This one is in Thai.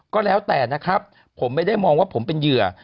ก็แล้วแต่นะครับผมไม่ได้มองว่าผมเป็นเหยื่อ